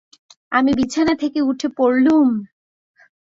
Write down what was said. আমি বিছানা থেকে উঠে পড়লুম।